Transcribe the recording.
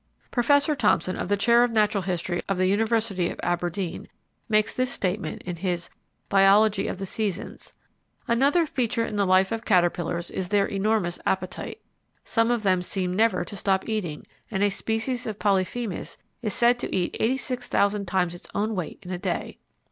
Professor Thomson, of the chair of Natural History of the University of Aberdeen, makes this statement in his "Biology of the Seasons", "Another feature in the life of caterpillars is their enormous appetite. Some of them seem never to stop eating, and a species of Polyphemus is said to eat eighty six thousand times its own weight in a day."